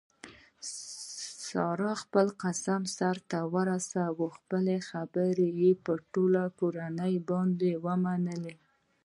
سارې خپل قسم سرته ورسولو خپله خبره یې په ټوله کورنۍ باندې ومنله.